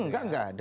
enggak enggak ada